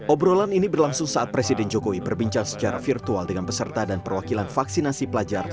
obrolan ini berlangsung saat presiden jokowi berbincang secara virtual dengan peserta dan perwakilan vaksinasi pelajar